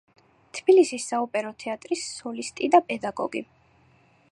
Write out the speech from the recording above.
თბილისის საოპერო თეატრის სოლისტი და პედაგოგი.